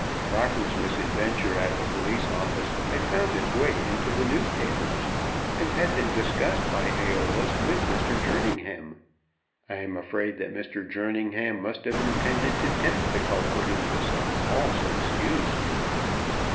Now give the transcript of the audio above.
Crocker's misadventure at the police office had found its way into the newspapers, and had been discussed by Æolus with Mr. Jerningham. I am afraid that Mr. Jerningham must have intended to tempt the culprit into some false excuse.